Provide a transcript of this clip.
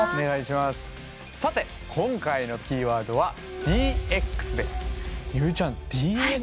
さて今回のキーワードは「ＤＸ」です。